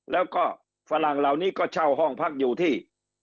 แล้วก็ฝรั่งเหล่านี้ก็เช่าห้องพักอยู่ที่